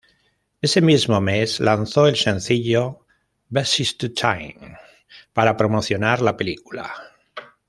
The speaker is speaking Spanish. Ese mismo mes, lanzó el sencillo "Best At The Time" para promocionar la película.